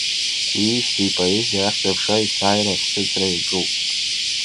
Уиижьҭеи ипоезиа ахьӡ-аԥша есааира ашьҭыҵра иаҿуп.